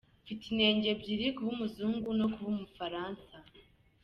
“ Mfite inenge ebyiri ,kuba Umuzungu no kuba Umufaransa”